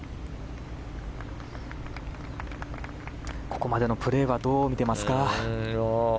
ここまでのプレーはどう見ていますか。